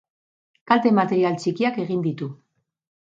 Kalte material txikiak egin ditu.